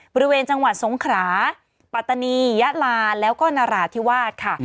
บริเวณจังหวัดสงขราปัตตานียะลาแล้วก็นราธิวาสค่ะ